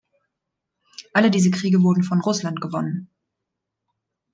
Alle diese Kriege wurden von Russland gewonnen.